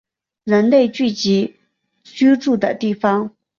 人类聚集居住的地方